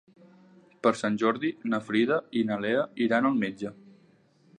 Per Sant Jordi na Frida i na Lea iran al metge.